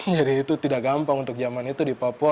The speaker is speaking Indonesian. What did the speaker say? jadi itu tidak gampang untuk zaman itu di papua